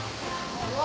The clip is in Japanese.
うわ！